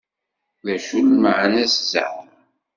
D acu d lmeεna-s zeεma?